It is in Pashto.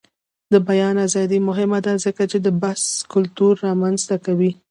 د بیان ازادي مهمه ده ځکه چې د بحث کلتور رامنځته کوي.